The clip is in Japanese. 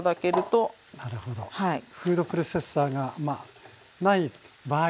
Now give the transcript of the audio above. フードプロセッサーがない場合は。